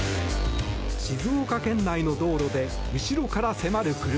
静岡県内の道路で後ろから迫る車。